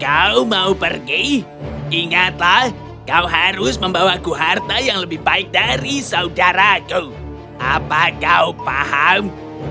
kau mau pergi ingatlah kau harus membawaku harta yang lebih baik dari saudaraku apa kau paham